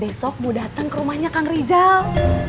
besok bu datang ke rumahnya kang rizal